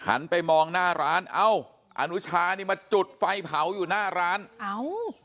ไปมองหน้าร้านเอ้าอนุชานี่มาจุดไฟเผาอยู่หน้าร้านเอ้า